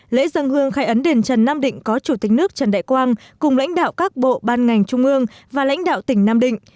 lễ dân hương khai ấn đền trần nam định có chủ tịch nước trần đại quang cùng lãnh đạo các bộ ban ngành trung ương và lãnh đạo tỉnh nam định